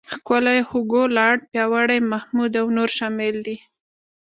ښکلی، هوګو، لاړ، پیاوړی، محمود او نور شامل دي.